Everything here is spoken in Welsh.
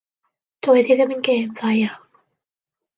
Doedd hi ddim yn gêm dda iawn.